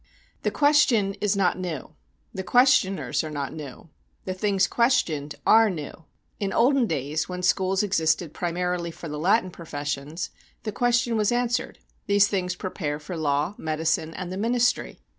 The question is not new; the questioners are not new; the things questioned are new. In olden days when schools existed primarily for the Latin professions, the question was answered: these things prepare for law, medicine, and the ministry.